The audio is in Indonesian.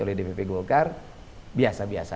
oleh dpp golkar biasa biasa